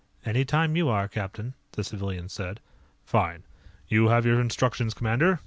"Anytime you are, captain," the civilian said. "Fine. You have your instructions, commander.